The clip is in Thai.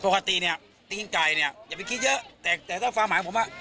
ปกติเนี่ยตีนไก่อย่าไปคิดเยอะแต่ถ้าฟังหมายของผม